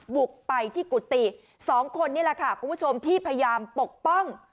บุกไปที่กุฏิสองคนนี่แหละค่ะคุณผู้ชมที่พยายามปกป้อง